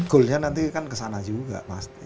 goal nya nanti kan kesana juga